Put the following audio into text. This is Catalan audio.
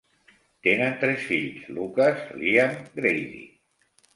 Tenen tres fills: Lucas, Liam, Grady.